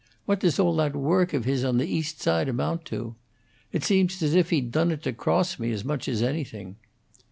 What does all that work of his on the East Side amount to? It seems as if he done it to cross me, as much as anything."